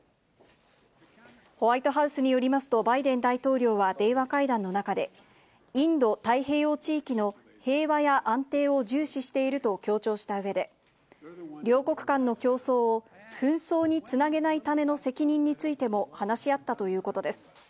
ホワイトハウスによりますと、バイデン大統領は電話会談の中で、インド太平洋地域の平和や安定を重視していると強調したうえで、両国間の競争を紛争につなげないための責任についても話し合ったということです。